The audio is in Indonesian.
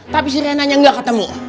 tapi si renanya gak ketemu